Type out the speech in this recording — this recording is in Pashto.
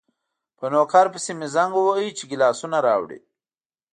په نوکر پسې مې زنګ وواهه چې ګیلاسونه راوړي.